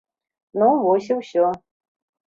Ну, вось і ўсё.